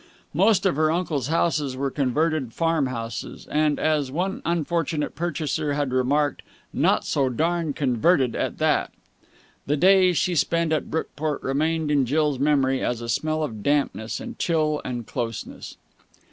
Most of her uncle's houses were converted farm houses, and, as one unfortunate purchaser had remarked, not so darned converted at that. The days she spent at Brookport remained in Jill's memory as a smell of dampness and chill and closeness.